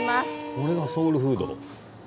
これが、ソウルフード？